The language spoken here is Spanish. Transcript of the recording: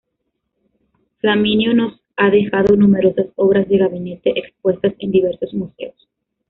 Flaminio nos ha dejado numerosas obras de gabinete, expuestas en diversos museos.